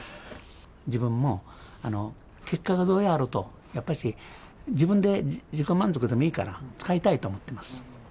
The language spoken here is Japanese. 自分も、結果がどうであろうと、やっぱり自分で自己満足でもいいから使いたいと思っています。